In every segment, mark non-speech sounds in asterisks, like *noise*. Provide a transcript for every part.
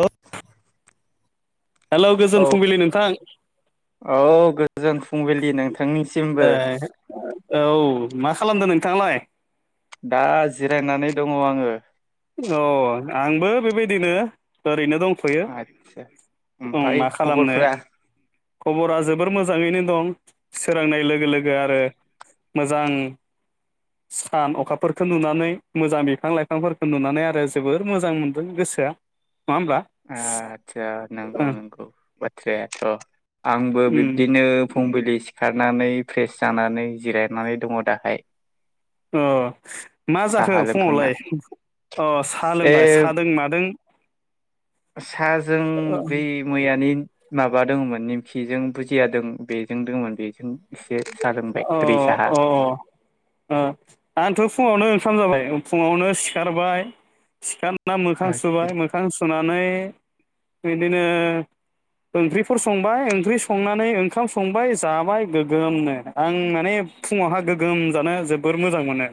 ओ *inaudible* औ नोंथां औ गोजोन फुंबिलि नोंथांनिसिमबो ए औ मा खालामदों नोंथांङालाय दा जिरायनानै दंङ' आंङो अ आंबो बेबायदिनो ओरैनो दं आतसा ओमफाय खालामनो खबरफ्रा खबरा जोबोर मोजांङैनो दं सोर फोरोंनाय लोगो लोगो आरो मोजां सान अखाफोरखौ नुनानै मोजां बिफां लाइफांफोर उन्दुनानै आरो जोबोर मोजां मोनदों गोसोआ। होमब्ला आतचा नंगौ ओं नंगौ। बाथ्रायाथ'। आंबो उम बिब्दिनो फुंबिलि सिखारनानै फ्रेस जानानै जिरायनानै दङ दाहाय। अह मा जाखो साहा लोंखांना फुङावलाय? अह सा ए लोंबाय। सादों मादों साहाजों बै मैयानि माबा दोंङोमोन नेमखिजों बुजियादों बेजों दोङोमोन बेजों जों एसे सा लोंबाय अ गोदै साहा। अ खाम जाबाय? फुङावनो सिखारबाय सिखार ना मोखां सुबाय मोखां सुनानै बिदिनो ओंख्रिफोर संबाय ओंख्रि संनानै ओंखाम संबाय जाबाय गोगोमनो, आं माने फुङावहा गोगोम जानो जोबोर मोजां मोनो।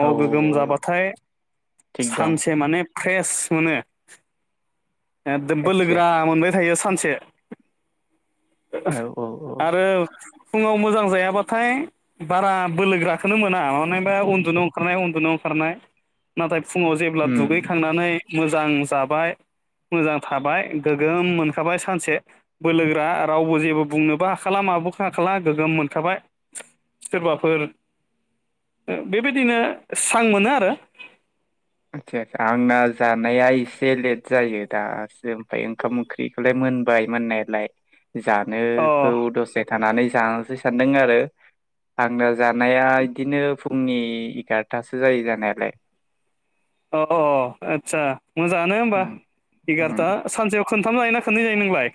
औ गोगोम जाबाथाय थिग दं सानसे माने फ्रेश मोनो। ओददोम आदसा बोलोगोरा मोनबाय थायो। सा सानसे। औ औ औ। आरो फुङाव मोजां जायाबाथाय बारा बोलोगोराखोनो मोना। मानोहोबा उन्दुनो अं खारनाय उन्दुन अंखारनाय नाथाय फुङाव जेब्ला उम दुगैखांनानै मोजां जाबाय, मोजां थाबाय, गोगोम मोनखाबाय सानसे बोलोगोरा रावबो जेबो बुंनोबो खालाम आबोखा खाला खालाम गोगोम मोनखाबाय सोरबाफोर बेबायदिनो स्रां मोनो आरो। आतचा आचा आंना जानाया इसे लेद जायो दासो ओमफाय ओंखाम ओंख्रिखौलाय मोनबाय मोननायालाय। अ जानोखौ दसे थानानै जानोसै सानदों आरो आंना जानाया इदिनो फुंनि एगारथासो जायो जानायालाय। अ आतचा। मोजाङानो होमबा उम उम एगारथा सानसेयाव खोन थाम जायो ना खोननै जायो नोंलाय?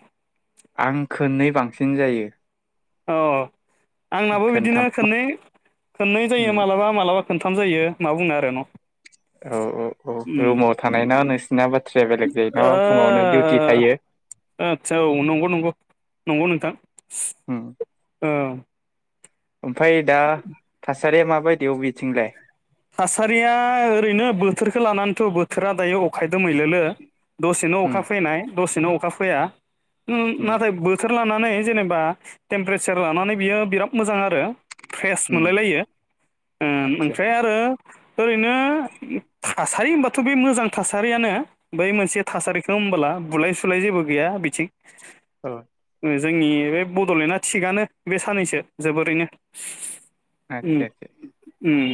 आं खोननै बांसिन जायो। अह आंनाबो बिदिनो खोनथाम खननै खननै जायो उम मालाबा मालाबा खोनथाम जायो मा बुंनो आरो न' *inaudible* औ औ औ उम रुमाव थानाय ना नोंसिना बाथ्राया बेलेग जायो ना ओ फुङावनो डिउटि थायो आदसा औ नंगौ नंगौ नंगौ नोंथां औ ओमफ्राय दा सारिया माबायदि अबेथिंलाय थासारिया ओरैनो बोथोरख लानानैथ' बोथोरा दायो अखा दोमैलुलु दसेनो उम अखा फैनाय दसेनो अखा फैया उम नाथाय बोथोर लानानै जेनेबा टेम्पारेसार लानानै बियो बिराद मोजां आरो फ्रेस उम मोनलायलायो ओम आदसा ओमफ्राय आरो ओरैनो थासारि होनबाथ' बे मोजां थासारियानो बै मोनसे थासारिखौ होनोमबोला बुलाय सुलाय जेबो गैया बिथिं औ जोंनि बे बड'लेण्डआ थिगनो बे साननैसो जोबोरैनो ओम आदसा आदसा ओम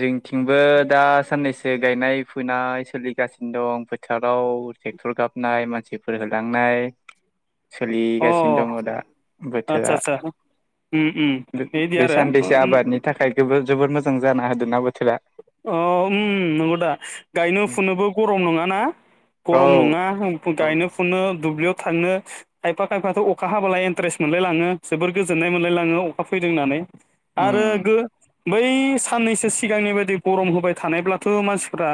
जोंथिंबो दा साननैसो गायनाय फुनाय सोलिगासिनो दं फोथाराव ट्रेक्टर गाबनाय मानसिफोर होलांनाय अ सोलिगासिनो दङ दा आतसा बोथोरा आतसा उम उम बिदि बे आरो सानैसो उम आबादनि थाखाय जोबोर मोजां जाना होदों ना बोथोरा अ उम नंगौ दा गायनो फुनोबो गरम नङाना औ गरम नङा औ गायनो फुनो दुब्लियाव थांनो खायफा खायफाथ' अखा हाबलााय इन्ट्रेस्ट मोनलायलाङो जोबोर गोजोननाय मोनलायलाङो अखा फैदों होननानै उम आरो गो बै साननैसो सिगांनि बायदि गरम होबाय थानायब्लाथ' मानसिफ्रा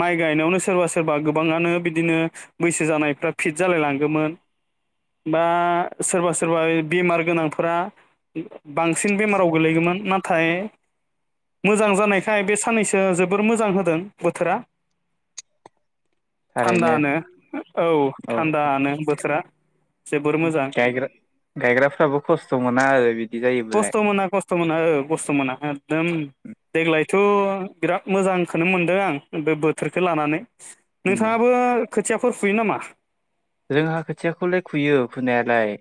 माइ गायनायावनो सोरबा सोरबा गोबाङानो बिदिनो बैसो जानायफ्रा फिट जालाय लांगौन बा सोरबा सोरबा बेमार गोनांफोरा बांसिन बेमाराव गोलैगौमोन नाथाय मोजां जानायखाय साननैसो आ जोबोर मोजां होदों बोथोरा थारैनो थान्दानो औ औ थान्दानो बोथोरा जोबोर मोजां गायग्रा गायग्राफ्राबो खस्थ' मोना आरो बिदि जायोब्लालाय खस्थ' मोना खस्थ' मोना औ खस्थ' मोना एकदम देग्लायथ' बिराद मोजांखौनो मोनदों आं बोथोरखौ लानानै नोंथाङाबो खोथिया फोर फुयो नामा? रोंहा खोथियाखौलाय खुयो खुनायालाय।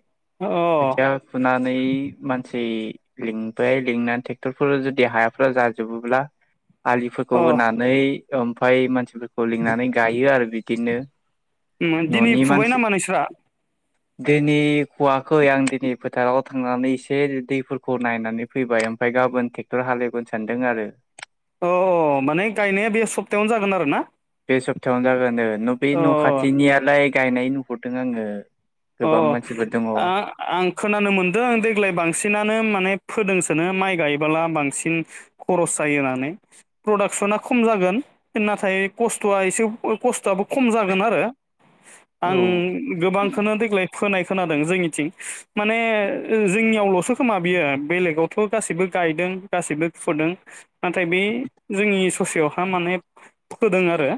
अ खोथिया फोना नानै मानसि लिंबाय लिंनानै ट्रेक्टरफोर जुदि हायाफोरा जाजोबोब्ला आलिफोरखौ अ होनानै ओम। भाय मानसि खौ लिंनानै गायो आरो बि दिनो मोन दिनि फुबाय नामा नोंस्रा। दिनै खवाखै आं दिनै फोथाराव थांनानै एसे दैफोरखौ नायनानै फैबाय ओमफाय गाबोन ट्रेक्टर हालेवबोनो सानदों आरो। गोन आरो ना। बे सप्तायावनो जागोन दे। न बे अ न खाथिनियालाय गायनाय नुहुरदों आङो। अ गोबां मानसिफोर दङ औ आ आं खोनानो मोनदों देग्लाय बांसिनानो माने फोदोंसोनो माइ गायबोला बांसिन खरस जायो होननानै प्रडाक्सना खम जागोन नाथाय खस्थआ एसे खस्थआबो खम जागोन आरो आं गोबां खोनो देग्लाय फोनाय खोनादों जोंनिथिं माने जोंनियावल'सो खोमा बियो बेलेगावथ गासैबो गायदों गासैबो फुदों नाथाय बे जोंनि ससेयावहा माने फोदों आरो।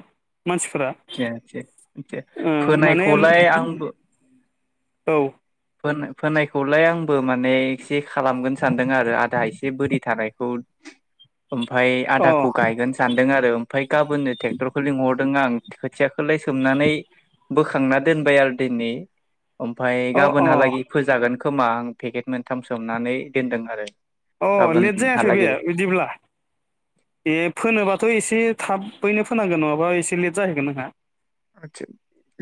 मानसिफोरा दे दे दे ओ माने फोनायखौलाय आंबो औ। फोन फोनायखौलाय आंबो माने एसे खालामगोन सानदों आरो आधा एसे बोरि थानायखौ ओमफाय अ आदाखौ गायगोन सानदों आरो। ओमफाय गाबोननो टेक्टरखौ लिंहरदों आं खोथिया खौलाय सोमनानै। बोखांना दोनबाय आरो दिनै ओमफा अ अ गाबोनहालागि फोजागोन। खोमा आं पेकेट मोनथाम सोमनानै दोनदों आरो। अ लेट जायाखै बे गाबोनहालागै बिदिब्ला ए फोनोबाथ एसे एसे थाबैनो फोनांगोन नङाबा एसे लेट जाहैगोन नोंहा। आदसा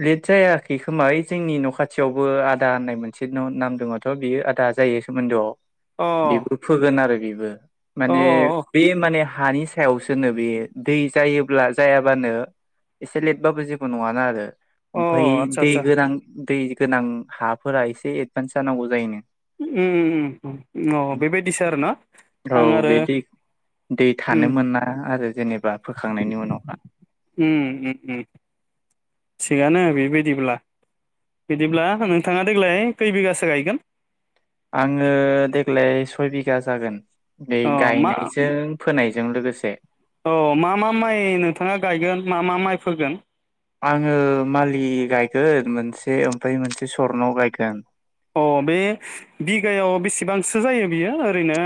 लेट जायाखै खोमा यै जोंनि न खाथियावबो आदा होननाय मोनसे नाम दङथ बियो आदा जायो सोमोन्दोआव। अ बेबो फोगोन आरो बे बे। अ माने बे माने हानि सायासोनो बे दै जायोब्ला जायाबानो एसे लेटबाबो जे नङानो आरो। अ ओमफफ्राय आदसा दै आदसा गोरान दै गोनां हाफोरा एसे एदभान्स जानांगौ जायोनो। उम उम अ बेबायदिसो आरो ना औ आं आरो बे दै दै थानो उम। मोना *inaudible* उनावहा उम *unintelligible* थिगानो बेबायदिब्ला बिदिब्ला नोंथाङा देग्लाय कै बिगासो गायगोन? आङो देग्लाय सय बिघा जागोन। बे अ गायनायजों फोनायजों जों लोगोसे औ मा मा माइ नोंथाङा गायगोन मा मा माइ फोगोन? आङो मालि गायगोन मोनसे ओमफ्राय मोनसे सरन' गायगोन। अ बे बिगायाव बेसेबांसो जायो बियो ओरैनो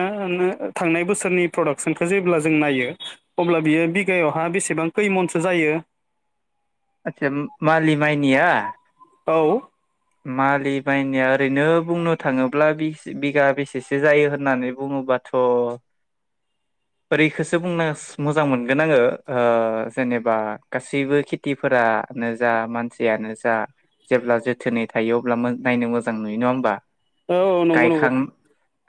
थांनाय बोसोरनि प्रडाक्सनखौ जेब्ला जों नायो अब्ला बियो बिगायावहा बेसेबां खैमनसो जायो? आतसा मालि माइनिया? औ। मालि बायनाया ओरैनो बुंनो थाङोब्ला बिस बिगा बेसेसो जायो होननानै बुङोबाथ' ओरैखौसो बुंनो मोजां मोनगोन आङो ओ जेनेबा गासैबो खेथिफोरानो जा मानसियानो जा जेब्ला जोथोनै थायो अब्ला नाय मोजां नुयो नङा होमबा? औ नंगौ नंगौ। गायखां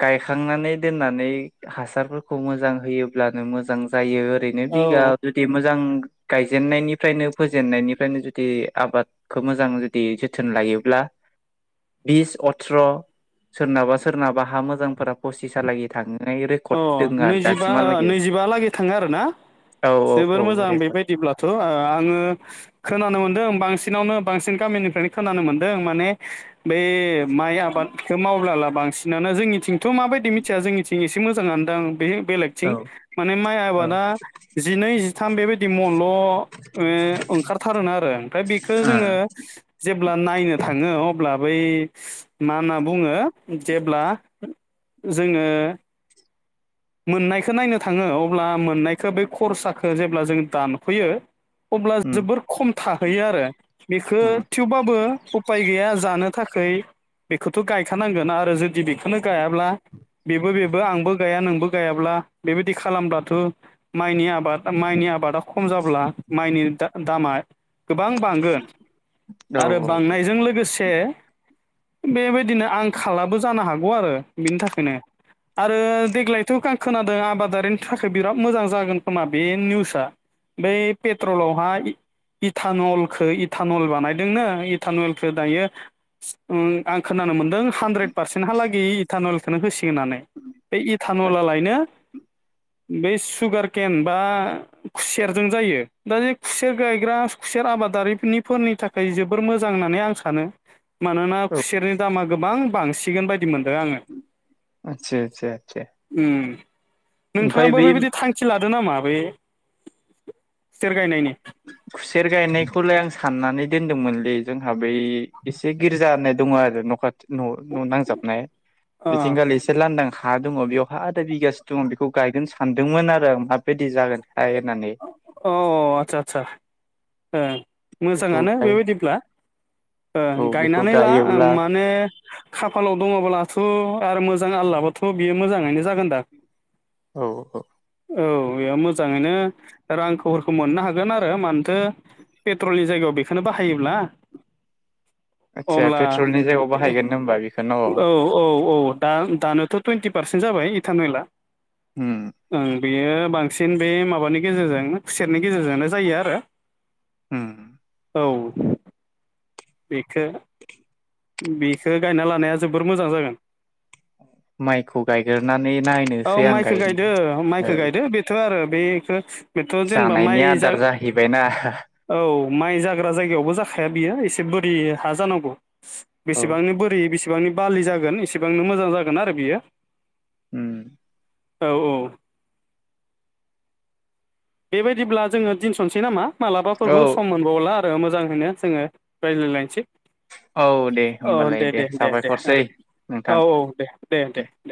गायखांनानै दोननानै हासारफोरखौ मोजां होयोब्लानो मोजां जायो। ओरैनो बिगा औ जुदि मोजां गायजेननायनिफ्रायनो फोजेननायनिफ्रायनो जुदि आबादखौ मोजां जुदि जोथोन लायो। ब्ला बिस अथ्र' सोरनाबा सोरनाबा हा मोजांफोरा पसिसालागै थाङो। अ नैजिबा नैजिबा लागै थाङो आरोना औ औ जोबोर औ मोजां रेकर्ड बेबायदिब्लाथ' आङो खोनानो मोन्दों बांसिन बिसिनावनो बांसिन गामिनिफ्रायनो खोनानो मोन्दों माने बे माइ आबादखौ मावब्ला लाब बांसिनानो जोंनिथिंथ' माबायदि मिथिया जोंनिथिं इसे ए मोजां आनो दां बे बेलेगथिं औ माने माइ औ आबादा जिनै जिथाम बेबायदि मल' ओंखारथारोन आरो ओमफ्राय बेखौ ओ जोङो जेब्ला नायनो थाङो अब्ला बै मा होनना बुङो जेब्ला जोङो मोननायखौ नायनो थाङो अब्ला मोननायखौ बे खरसाखौ जेब्ला जों दानफैयो अब्ला उम जोबोर खम थाहैयो आरो बेखौ उम थेवाबो उफाय गैया जानो थाखाय खै बेखौथ' गायखानांगोन आरो जुदि बेखौनो गायाब्ला बेबो बेबो आंबो गाया नोंबो गायाब्ला बेबायदि खालामब्लाथ' माइनि आबाद माइनि आबादा खम जाब्ला माइनि दा दामा गोबां बांगोन। औ आरो बांनायजों लोगोसे बे बे बिदिनो आं खालाबो जानो हागोन आरो बिनि थाखायनो आरो देग्लाय थ' आं खोनादों आबादारिनि थाखाय बिराद मोजां जागोन खोमा बे निउसआ बै पेट्रलावहाय इटानलखौ इटानल बानायदोंनो इटानलखौ दायो ओ आं खोनानो मोनदों हानद्रेद पारसेेन्टहा लागि इतानल नों होसि नानै बे औ नला लायनो बे सुगार केन बा खुसेरजों जायो दा बे खुसेर गायग्रा खुसेर आबादारिनिफोरनि थाखाय जोबोर मोजां होननानै आं सानो मानोना खुसेरनि दामा गोबां बांसिगोन बाय आतसा- आतसा- आतसा ओम ओमफ्राय नोंथाङाबो बै बेबायदि थांखि लादों नामा बे खुसेर गायनायनि खुसेर गायनायखौलाय आं सा साननानै दोनदोंमोनलै जोंहा बै एसे गिर्जा होननाय दङ आरो न'खा न' न' नांजाबनाय अ बिथिंगालि एसे लांदां हा दङ बेयावहा आदा बिगासो दङ बेखौ गायगनो सानदोंमोन आरो आं माबायदि जागोन हाय होननानै अ आतसा - आतसा ओ बेखौ मोजाङानो गाय बेबायदिब्ला ओ औ बेखौ गायनानै ला गायोब्ला माने खाफालाव दङब्लाथ' आरो मोजां आल्लाबाथ' बियो मोजाङैनो जागोनदां औ औ औ बेयाव मोजाङैनो रांखौफोरखौ मोननो हागोन आरो मानोथो पेट्रलनि जायगायाव बेखौनो बाहायोब्ला आदसा अब्ला पेट्रलनि जायगायाव बाहायगोन होनबा बेखौ न' औ -औ -औ दा दानोथ' टुवेन्टि पारसेन्ट जाबाय इटान नइला होम बेयो बांसिन बे माबानि गेजेरजों खुसेरनि गेजेरजोंनो जायो आरो होम औ बेखौ बेखो गायना लानाया जोबोर मोजां जागोन माइखौ गायगोरनानै औ नायनोसै आं माइखो गायनो गायदो माइखो औ गायदो बेथ' आरो बेखो बेथ' जेनेबा माइ जानायनि जा आदार जाहैबायना औ माइ जाग्रा जायगायावबो जाखाया बियो एसे बोरि हाजानांगौ औ बेसेबांनो बोरि बेसे सिबांनि बालि जागोन इसिबांनो मोजां जागोन आरो बियो। उम औ औ। बेबायदिब्ला जोङो दिनस'नसै नामा? औ मालाबाफोरबो सम मोनबावला आरो मोज जांहैनो जोङो रायज्लायलायनोसै। औ दे होमबालाय दे साबायखरसै औ नोंथां। *inaudible* औ दे दे दे दे